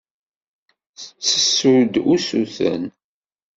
Tettessu-d usuten.